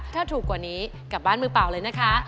ถ้าถูกกว่านี้กลับบ้านมือเปล่าเลยนะคะ